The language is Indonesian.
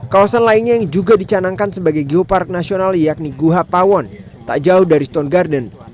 kawasan lainnya yang juga dicanangkan sebagai geopark nasional yakni guha pawon tak jauh dari stone garden